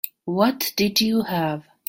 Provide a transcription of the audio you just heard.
What did you have?